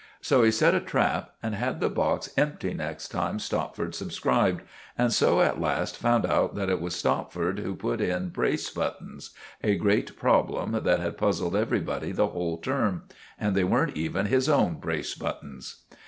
So he set a trap and had the box empty next time Stopford subscribed; and so at last found out that it was Stopford who put in brace buttons—a great problem that had puzzled everybody the whole term. And they weren't even his own brace buttons.